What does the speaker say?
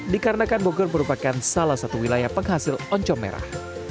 dikarenakan bogor merupakan salah satu wilayah penghasil oncom merah